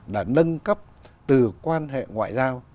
đã nâng cấp từ quan hệ ngoại giao